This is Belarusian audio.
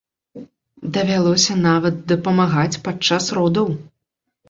Давялося нават дапамагаць падчас родаў!